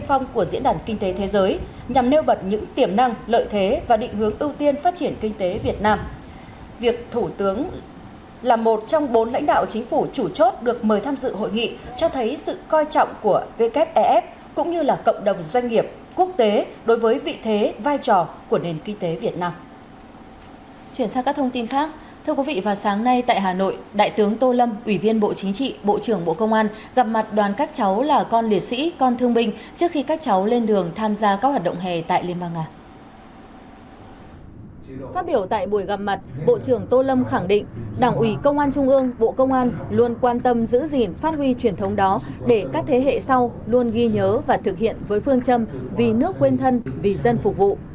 phát biểu tại buổi gặp mặt bộ trưởng tô lâm khẳng định đảng ủy công an trung ương bộ công an luôn quan tâm giữ gìn phát huy truyền thống đó để các thế hệ sau luôn ghi nhớ và thực hiện với phương châm vì nước quên thân vì dân phục vụ